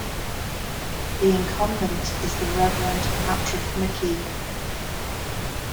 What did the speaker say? The incumbent is The Reverend Patrick McKee.